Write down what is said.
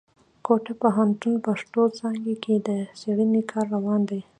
کوټه پوهنتون پښتو څانګه کښي د څېړني کار روان دی.